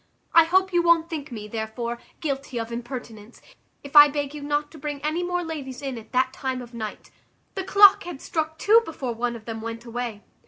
I hope you won't think me, therefore, guilty of impertinence, if I beg you not to bring any more ladies in at that time of night. The clock had struck two before one of them went away."